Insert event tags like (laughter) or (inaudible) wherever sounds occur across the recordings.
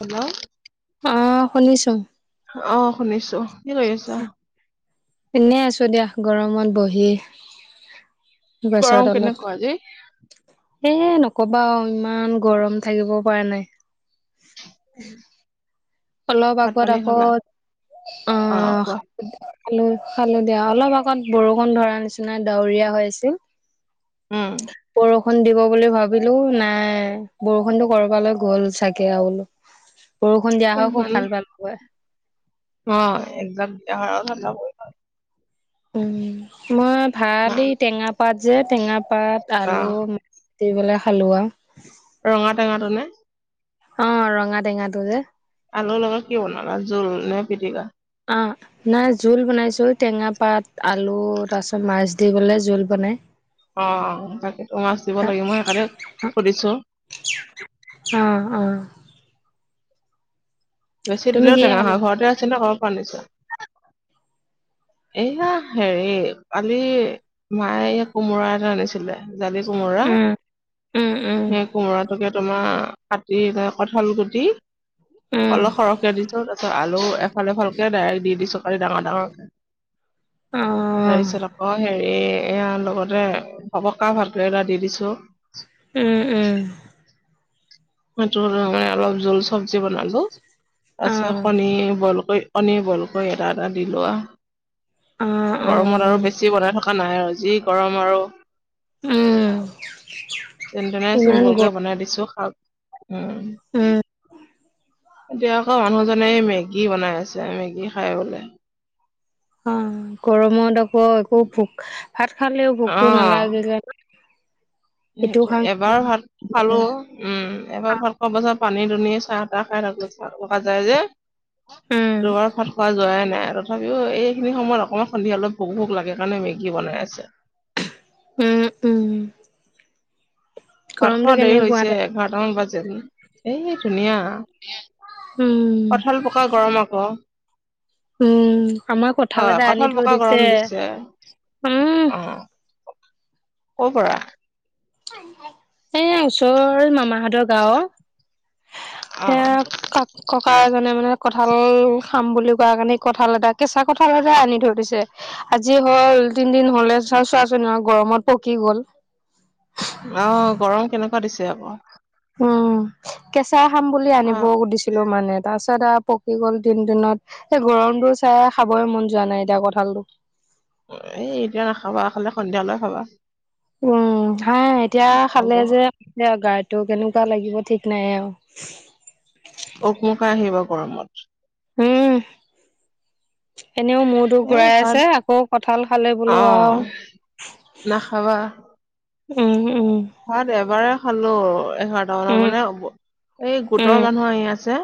Hello অ, শুনিছো। অ, শুনিছো কি কৰি আছা? পিনে আছো দিয়া, গৰমত বহি। গৰম গছৰ তলত। কেনেকুৱা আজি এ, নকবা ইমান গৰম থাকিব পৰা নাই। উম, অলপ আগত আকৌ, অ, খোলো, খালো দিয়া অলপ আগত বৰষুণ ধৰা নিচিনা ডাৱৰীয়া হৈ আছিল। উম বৰ বৰষুণ দিব বুলি ভাবিলো, নাই বৰষুণতো কৰবালৈ গ'ল চাগে আৰু বোলো। বৰষুণ দিয়া হয় খুব ভাল হয়। অঁ', এক মাহৰ চাব। উমঁ, মই অ ভালেই টেঙা পাত যে টেঙা পাত, অ আলু- দি পেলাই খালো আৰু। ৰঙা টেঙা তো নে? অঁ', ৰঙা টেঙা তো যে। আলুৰ লগত কি বনালা জোল নে পিটিকা? অঁ। নাই, জোল বনাইছো ঐ, টেঙা পাত, আলু, তাৰ পিছত মাছ দি পেলাই জোল বনাই। অঁ', তাকেইতো মাছ দিব লাগে, মই সেইকাৰণে সুধিছো। অঁ', -অঁ',। বেছি তুমি দিলেও কিহে টেঙা হয়, খালা ঘৰতে আছে নে ক'ৰবাৰ পৰা আনিচা? এইয়া হেৰি কালি মায়ে এই কোমোৰা এটা আনিছিলে। জালি কোমোৰা, উম উম উম সেই কোমোৰাটোকে তোমাৰ- কাটি এ কঠাল গুটি- উম অলপ সৰহকে দিছো তাৰপিছত আলু এফালকে দাইল দি দিছো কাটি ডাঙৰ-ডাঙৰকে। অ তাৰপিছত আকৌ সেই- এ-এয়া লগতে পকা ভাতকেৰেলা এটা দি দিছো। উমঁ-উমঁ। সেইটো অলপ জোল চব্জি বনালো। অ তাৰপিছত কণী বইলকৈ, কণী বলকৈ এটা-এটা দিলো অ আও। অ গৰমত আৰু বেছি বনাই থকা নাই আৰু যি গৰম আৰু। উম যেনতেনে ইমান গৰ চিম্পুলকে বনাই দিছো শাক উমঁ। উম এতিয়া আকৌ মানুহজনে মেগী বনাই আছে মেগী খাই বোলে। অঁ', গৰমত আকৌ একো ভোক, ভাত খালেও ভোকতো নালাগে ন। (inaudible) সেইটোয়ে, এবাৰ ভাত খালো। উমঁ, এবাৰ ভাতখোৱাৰ পাছত পানী- দুনি, চাহ- তাহ খাই থকা যায় যে। উম দুবাৰ ভাত খোৱা যোৱাই নাই আৰু। তথাপিও এইখিনি সময়ত অকণমান সন্ধিয়ালৈ ভোক-ভোক লাগে সেইকাৰণে মেগী বনাই আছে। উমঁ-উমঁ। ভাত খোৱাৰ দেৰি কেনেকুৱা হৈছে এঘাৰটামান বাজে। এই ধুনীয়া উম কঠাল পকা গৰম আকৌ। উম আমাৰ কঁঠাল হয়, এটা আনি কঠাল থৈ পকা গৰম দিছে উম, অঁ',। ক'ৰ পৰা? এয়া ওচৰৰে মামাহঁতৰ গাঁওৰ। অ সেয়া কাক- ককা এজনে মানে কঁঠাল খাম বুলি কোৱা কাৰণে কঁঠাল এটা কেঁচা কঁঠাল এটাই আনি থৈ দিছে। আজি হ'ল তিনদিন হ'লে চোৱা-চোৱা চোন গৰমত পকি গ'ল। অঁ', গৰম কেনেকুৱা দিছে আকৌ। উমঁ, কেঁচা খাম বুলি আনিব তাক দিছি- লো মানে তাৰ পাছত আৰু পকি গ'ল তিন দিনত। এই গৰমটো চাই খাবই মন যোৱা নাই এতিয়া কঁঠালটো। এই এতিয়া নাখাবা, খালে সন্ধিয়ালৈ খাবা। উমঁ, হয়, এতিয়া অ খালে যে এতিয়া গাটো কেনেকুৱা লাগিব ঠিক নাই আৰু। উকমুকাই আহিব গৰমত। উম, এনেও মোৰ তো এই ঘূৰাই ভাত আছে আকৌ কঁঠাল খালে বোলো অ আৰু। নাখাবা উম উম। ভাত এবাৰে খালো। এঘাৰটা মানত উম, মানে, এই গোটৰ উম, মানুহ আহি আছে।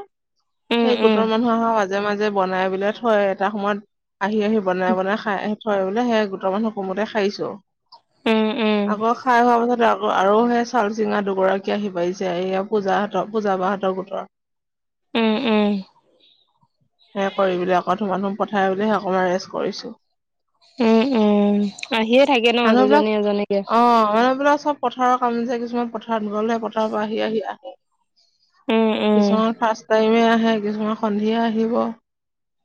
উম, উম, সেই গোটৰ মানুহ অহা মাজে মাজে বনাই বনাই থৈ এটা সময়ত আহি আহি বনাই বনাই খাই - থয় বোলে সেই গোটৰ মানুহ কমোতে খাইছো, উম, উম। আকৌ খাই খোৱা পাছতে- আৰু সেই চাউল চিঙা দুগৰাকী আহি পাইছে পূজা হতৰ পূজাবাহতৰ গোটৰ। উম উম। সেয়া কৰিমেলি আকৌ ধুমা ধুম পঠাই বুলিহে অকনমান ৰেষ্ট কৰিছো। উম উম আহিয়ে থাকে ন দুজনী এজনীকে? ঘৰৰ পৰা চব- পথাৰৰ কাম যে কিছুমান পথাৰত গল সেই পথাৰৰ পৰা আহি আহি আহে। উম, উম, কিছুমান ফাৰ্ষ্ট টাইম আহে কিছুমান সন্ধিয়া আহিব।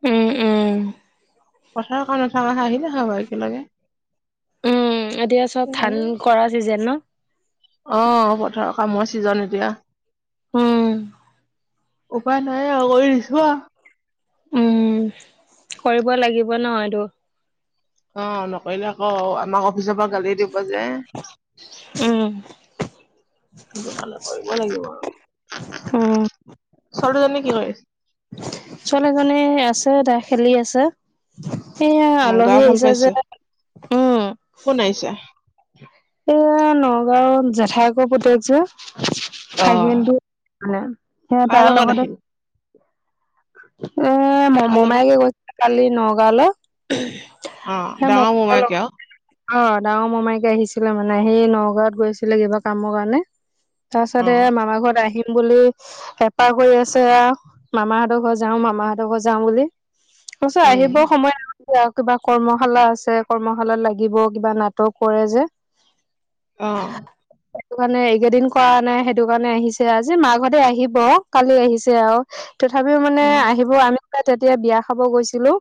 উম উম। পথাৰৰ কাম নথকা হ'লে আহিলে হয় একেলগে। উম, এতিয়া চব ধান সেইকাৰণে কৰা চিজন ন? অ পথাৰৰ কামৰ ছিজন এতিয়া। উম, উপায় নাই আৰু কৰি দিছো আৰু। উম, কৰিব লাগিব ন এইটো। অ নকৰিলে আকৌ আমাক অফিচৰ পৰা গালি দিব যে। উম, সেইকাৰণে কৰিবই লাগিব উম। আৰু। ছোৱালী জনী কি কৰিছে? ছোৱালীজনী আছে তাই খেলি আছে। এইয়া অ গা আলহী ভাল আহিছে যে পাইছে, উম। কোন আহিছে? এইয়ে নগাঁৱৰ জেঠাইযে পুতেক যে। অ ভাগিনতো সেই কাৰ তাৰ লগত লগতে- আহিল এ কাৰ লগত মমাইকে গৈছিলে কালি নগাঁওলৈ। অ সেই ডাঙৰ (unintelligible) মোমাইকে আৰু অ' ডাঙৰ মমায়েক আহি ছিলে মানে হেৰি নগাঁৱত গৈছিলে কিবা কামৰ কাৰণে, তাৰ অ পাছতে এ মামাৰ ঘৰত আহিম বুলি- হেঁপাহ কৰি আছে আৰু, মামাহঁত ঘৰ যাও, মামাহতৰ ঘৰ যাও বুলি। হৈছে উম আহিব সময় আৰু। এতিয়া কিবা কৰ্মশালা আছে কৰ্মশালাত লাগিব কিবা নাটক কৰে যে। উম। সেইটো কাৰণে এইকেইদিন কৰা নাই সেইটো কাৰণে আহিছে, আজি মাকহঁতে আহিব কালি আহিছে আৰু। তথাপিও মানে উম আহিব, আমি পাই তেতিয়া বিয়া খাব গৈছিলো।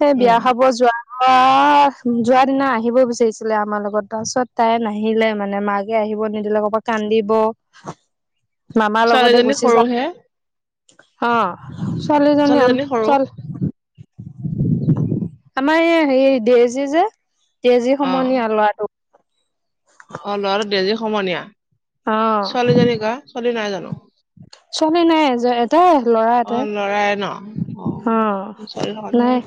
সেই বিয়া উম খাব যোৱাৰ, যোৱা দিনা আহিব বিচাৰিছিলে আমাৰ লগত। তাৰপাছত তাই নাহিলে মানে মাকে আহিব নিদিলে কৰবাত কান্দিব। মামাৰ লগতে ছোৱালীজনী গুচি যাম। সৰুহে অ, ছোৱালি জনী আম ছোৱালীজনী সৰু চল আমাৰ এই হেৰি ডেইজী যে, ডেইজী অ সমনীয়া ল'ৰাটো। অ' ল'ৰাটো ডেইজী সমনীয়া, অ ছোৱালীজনী কাৰ ছোৱালী নাই জানো? ছোৱালী নাই যে। এটাই, ল'ৰা অ এটাৰ, লৰাই ন অ অ', ছোৱালী থকা নহয় নাই।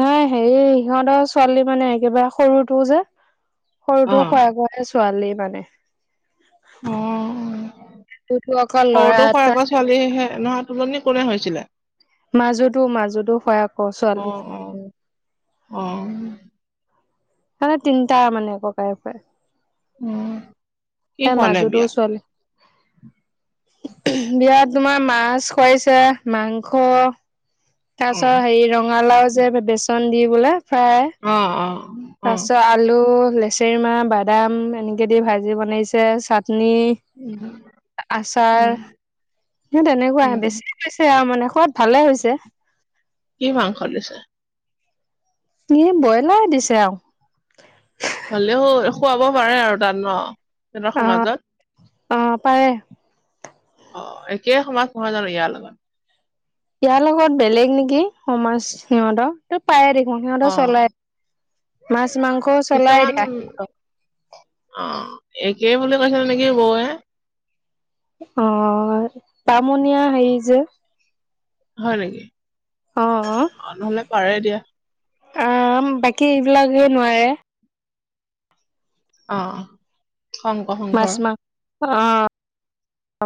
নাই সেৰি ইহঁতৰ ছোৱালী মানে একেবাৰে সৰুটো যে- অ সৰুটো খুৰাকৰে ছোৱালী মানে। উম, অকল ল'ৰা সৰুটো এটা খুৰাকৰ ছোৱালীহে নহয় তুলনি কোনে হৈছিলে? মাজুটো, মজুটো খুৰাকৰ ছোৱালী। অঁ'। মানে তিনিটা মানে ককাইক ভাইক। উম। তাই মাজুটোৰ ছোৱালী। (unintelligible) বিয়াত তোমাৰ মাছ খুৱাইছে, মাংস। তাৰ অ পিছত হেৰি ৰঙালাও যে বেচন দি পেলাই ফ্ৰাই। অ' অ'। তাৰপিছত আলু, লেচেৰি মাহ, বাদাম, এনেকে দি ভাজি বনাইছে, চাটনি উম আচাৰ, উম সেই তেনেকুৱাই উম বেছি আৰু মানে সোৱাদ ভালে হৈছে। কি মাংস দিছে? এই ব্ৰইলাৰ দিছে আৰু। হ'লেও খুৱাব পাৰে আৰু তাত ন, সিহঁতৰ অ সমাজত। অ' পাৰে। অ' একেই সমাজ নহয় জানো ইয়াৰ লগত? ইয়াৰ লগত বেলেগ নেকি সমাজ সিহঁতৰ, ত' পাৰে দেখোন অ সিহঁতৰ চলে। মাছ মাংস কিছুমান, দিয়া সিহঁতৰ। অ', একেই বুলি কৈছে নেকি বৌৱে। অ', বামুনিয়া হেৰি যে। হয় নেকি, অ অঁ' নহ'লে পাৰে দিয়া। আ', বাকী এইবিলাক হে নোৱাৰে। অ'। শংকৰ মাছ সংঘৰ মাংস, অ'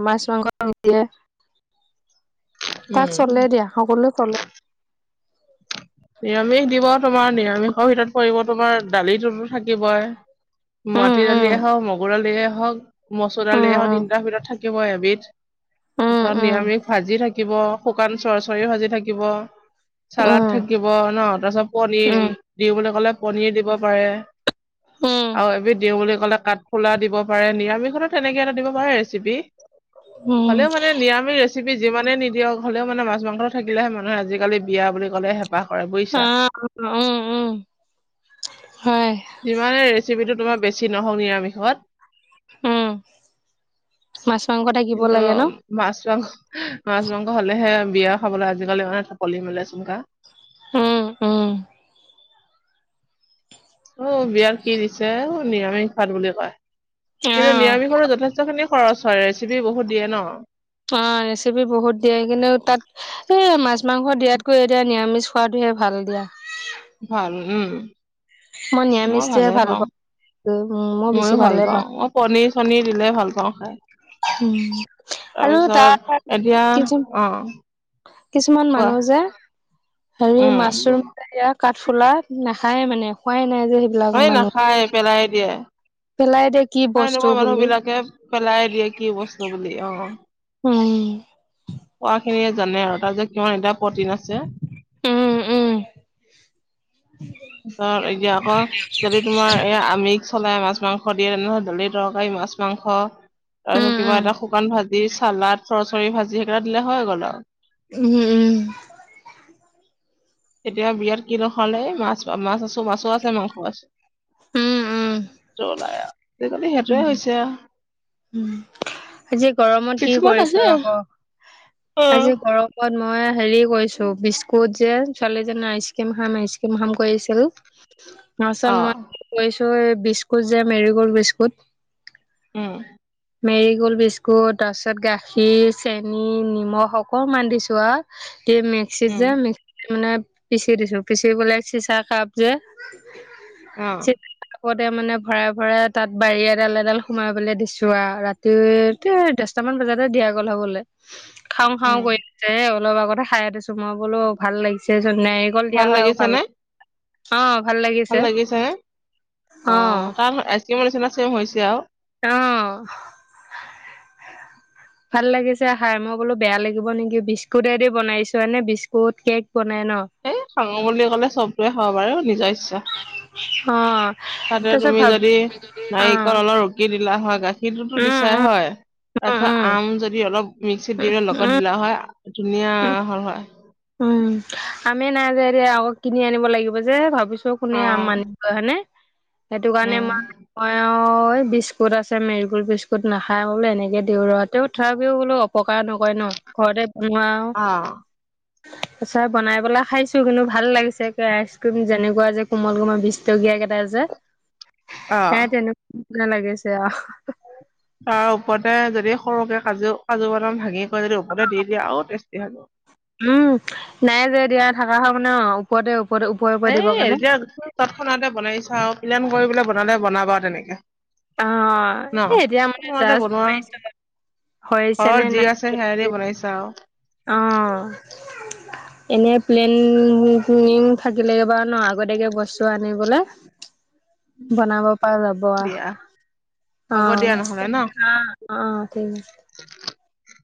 মাছ মাংস দিয়ে। তাত উম চলে দিয়া, সকলোৱে চলে। নিৰামিষ দিব তোমাৰ নিৰামিষৰ ভিতৰত পৰিব তোমাৰ দালিটোতো থাকিবই। উম মাটি উম দালিয়ে হওঁক, মগুৰ দালিয়ে হওঁক- মচুৰ দালিয়ে উম হওঁক উম তিনটাৰ ভিতৰত থাকিবই এবিধ। তাৰপিছত উম নিৰামিষ ভাজি থাকিব, শুকান চৰচৰি ভাজি থাকিব। চালড উম থাকিব ন' তাৰ পিছত উম পনীৰ। উম দিওঁ বুলি ক'লে পনীৰ দিব পাৰে। উম আৰু এবিধ দিওঁ বুলি ক'লে কাঠফুলা দিব পাৰে। নিৰামিষতো তেনেকে এটা দিব পাৰে ৰেচিপি। হ'লেও উম মানে নিৰামিষ ৰে ৰেচিপি যিমানে নিদিয়ক হ'লেও মানে মাছ মাংস থাকিলেহে মানুহে আজি কালি বিয়া বুলি ক'লে হেঁপাহ কৰে। বুজিছা অঁ' উমঁ উমঁ, হয়। যিমানে ৰেচিপিটো তোমাৰ বেছি নহওঁক নিৰামিষত- উমঁ' মাছ মাংস থাকিব কিন্তু লাগে ন'। মাছ মাংস, মাছ মাংস হ'লে হে বিয়া খাবলৈ আজিকালি মানুহে ঢাপলি মেলে চোন কা। উম উম অ', বিয়াত কি দিছে, অ' নিৰামিষ ভাত বুলি কয়, কিন্তু অ নিৰামিষৰো যথেষ্ট খিনি খৰচ হয়, ৰেচিপি বহুত দিয়ে ন। অ' ৰেচিপি বহুত দিয়ে, কিন্তু তাত এ মাছ মাংস দিয়াতকৈ এতিয়া নিৰামিষ খোৱাটোহে ভাল দিয়া। ভাল উম মই ভালে পাওঁ উম মই বেছি ময়ো ভাল ভালে পাওঁ ম পনীৰ চনীৰ দিলে ভাল পাওঁ খাই উম আৰু তাৰপিছত তাৰ (unintelligible) এতিয়া অ কিছুমান কোৱা মানুহ যে হেৰি উম মাছৰুম ইয়াক কাঠফুলা নাখায়ে মানে খোৱাই নাই যে সেইবিলাক এই মানুহ নাখায় পেলাই দিয়ে পেলাই দিয়ে খাই নোপোৱা মানুহ বিলাকে পেলাই দিয়ে কি বস্তু বুলি অ উম পোৱা খিনিয়ে জানে আৰু তাত যে কিমান এটা প্ৰটিন আছে উম উম (inaudible) ত এতিয়া আকৌ যদি তোমাৰ এ আমিষ চলাই মাছ মাংস দিয়ে তেনেহলে দালি তৰকাৰী মাছ মাংস উম তাৰপিছত কিবা এটা শুকান ভাজি চালাদ চৰচৰি ভাজি সেইকেইটা দিলে হৈ গ'ল আৰু উম উম (inaudible) এতিয়া বিয়াত কিনো খোৱালে এই মাছ মাছ আছো মাছো আছে মাংসও আছে উম উম ওলাই আজিকালি সেইটোৱে উম হৈছে আৰু উম আজি গৰমত কি কিছুমান আছে কৰিছো আকৌ অ আজি গৰম ত মই হেৰি কৰিছো বিস্কুট যে ছোৱালীজনীয়ে আইচ ক্ৰীম খাম আইচ ক্ৰীম খাম কৰিছিল (inaudible) তাৰপিছত মই কি কৰিছোঁ এই বিস্কুট যে Marie gold biscuit um Marie gold biscuit তাৰ পিছত গাখীৰ চেনী নিমখ অকণমান দিছো আৰু দি (unintelligible) মিক্সিত উম যে মিক্সিত মানে পিচি দিছো পিচি পেলে চিচাৰ কাপ যে অ কাপতে মানে ভৰাই ভৰাই তাত বাৰী এডাল এডাল সোমাই পেলাই দিছো যোৱা ৰাতি তে দহটামান বজাতে দিয়া গ'ল হবলে খাওঁ খাওঁ উম কৰি এ অলপ আগতে খাই উঠিছো মই বোলো ভাল লাগিছে চোন নাৰিকল দিয়া হয় আৰু লাগিছে ভাল নে লাগিল অ ভাল লাগে ভাল লাগিছে অ তাত আইচক্ৰীমৰ নিচিনা চেম হৈছে আৰু অ (inaudible) ভাল লাগিছে হাই ম। মই বোলো বেয়া লাগিব নেকি। বিস্কুটেদি বনাইছো। এনে বিস্কুট কেক বনাই ন! এই খাঙ বুলি ক'লে চবটোৱে খাব পাৰে। নিজৰ ইচ্ছা। অ'। তাতে তাৰপিছত তুমি ভাব যদি অ নাৰিকল অলপ ৰুক কি দিলা হয়! গাখীৰটোতো উম দিছাই উম হয়! উম তাৰপিছত উম আম যদি অলপ মিক্সিত দিলে লগত উম দিলা হয়। ধুনীয়া হল হলাই। উম, আমি নাই যে এতিয়া, আকৌ কিনি আনিব লাগিব যে- ভাবিছ চ', কোনে অ আম মানি (unintelligible) হয়নেে! সেইটো কাৰণে উম মাই অ এঅ', এই বিস্কুট আছে, মেৰিগল্ড বিস্কুট নাখায়, মই বোলোঁ এনেকে দিওঁ ৰ'। তেঁও থেৰাপিও বোলো অক পকাৰ নকৰে ন'। ঘৰতে বনোৱা আও। অ'। চাই বনাই পেলাই খাইছোঁ কিন্তু ভাল লাগিছে। একে আইচ-ক্ৰীম যেনেকুৱা যে, কোমল-কোমল বিছটকীয়া কেটা যে। (inaudible) হেয়াই তেনু না লাগিছে। অ'। তাৰ ওপৰতে যদি, সৰুকে কাজু কাজু, বাদাম ভাঙি কৰি যদি ওপৰতে দি দিয়া আৰু টেষ্টি হয়। উম। নাই যে দিয়া, থাকা হয় মানে অ'। ওপৰতে, ওপৰতে ও এই এতিয়া তৎক্ষণাতে বনাই চাও। পিলেন কৰিবলে বনালে বনাবা আৰু তেনেকে। অ', ন এই এতিয়া মানে তৎক্ষণাতে জাষ্ট বনোৱা (unintelligible) হৈছে নে নাই তে সেয়াই দিএ বনাই চাওঁ। অ'। (inaudible) এনে প্লেন কুনিও থাকিলে, এইবাৰ ন', আগতীয়াকে বস্তু আনিবলৈ। (inaudible) বনাব পৰা দিয়া যাব আ। হ'ব অ', দিয়া নহ'লে অ'। ন? অ', ঠিক আছে। (inaudible)